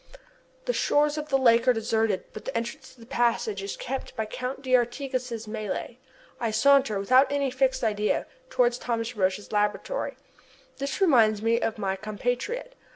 The shores of the lake are deserted, but the entrance to the passage is kept by Count d'Artigas' Malay. I saunter, without any fixed idea, towards Thomas Roch's laboratory. This reminds me of my compatriot.